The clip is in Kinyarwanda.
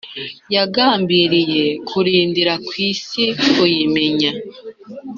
yagambiriye kurindira kwisi kuyimenya